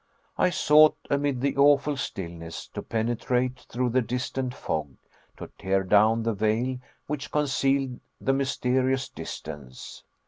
I sought, amid the awful stillness, to penetrate through the distant fog, to tear down the veil which concealed the mysterious distance.